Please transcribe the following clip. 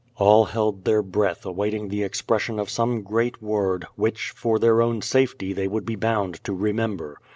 All held their breath awaiting the expression of some great word, which for their own safety they would be bound to re member.